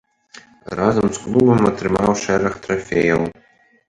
Разам з клубам атрымаў шэраг трафеяў.